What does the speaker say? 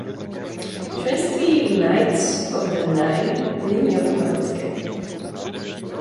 Členství v Knights of the Nine není automatické.